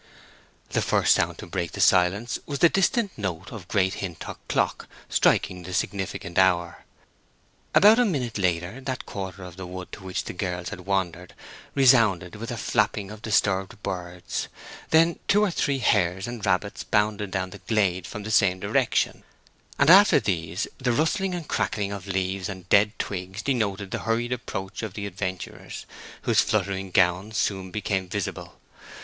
The first sound to break the silence was the distant note of Great Hintock clock striking the significant hour. About a minute later that quarter of the wood to which the girls had wandered resounded with the flapping of disturbed birds; then two or three hares and rabbits bounded down the glade from the same direction, and after these the rustling and crackling of leaves and dead twigs denoted the hurried approach of the adventurers, whose fluttering gowns soon became visible.